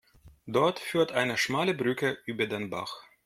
Dort führt eine schmale Brücke über den Bach.